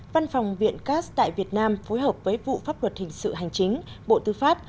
văn phòng viện cas tại việt nam phối hợp với vụ pháp luật hình sự hành chính bộ tư pháp